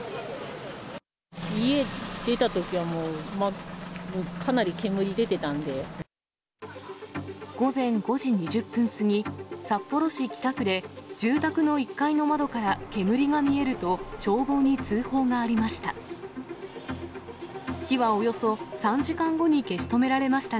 家出たときはもう、かなり煙午前５時２０分過ぎ、札幌市北区で、住宅の１階の窓から煙が見えると、消防に通報がありました。